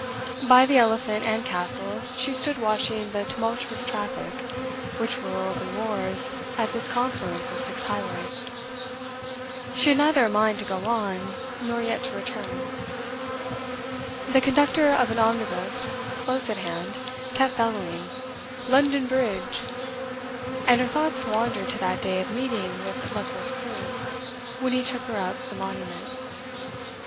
By the Elephant and Castle she stood watching the tumultuous traffic which whirls and roars at this confluence of six highways; she had neither a mind to go on, nor yet to return. The conductor of an omnibus close at hand kept bellowing 'London Bridge!' and her thoughts wandered to that day of meeting with Luckworth Crewe, when he took her up the Monument.